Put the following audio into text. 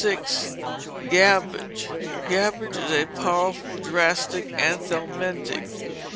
Gamboge Gamboge is a powerful drastic and anthelmintic.